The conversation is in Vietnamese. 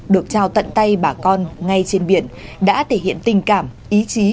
được trao tận tay bà con ngay trên biển đã thể hiện tình cảm ý chí